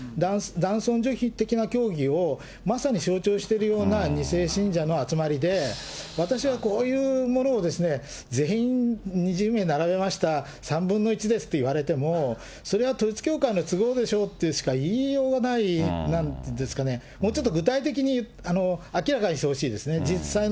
男尊女卑的な教義を、まさに象徴しているような２世信者の集まりで、私はこういうものを、全員２０名並べました、３分の１ですといわれても、それは統一教会の都合でしょってしか言いようがない、なんていうんですかね、もうちょっと具体的に明らかにしてほしいですね。